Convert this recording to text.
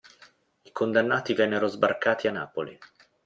I condannati vennero sbarcati a Napoli.